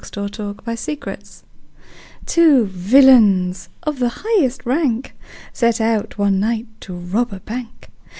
Ambrose Bierce Business TWO villains of the highest rank Set out one night to rob a bank.